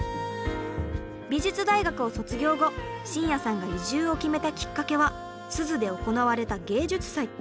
美術大学を卒業後新谷さんが移住を決めたきっかけは珠洲で行われた芸術祭。